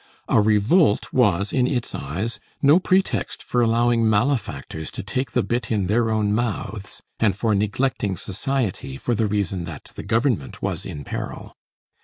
A revolt was, in its eyes, no pretext for allowing malefactors to take the bit in their own mouths, and for neglecting society for the reason that the government was in peril.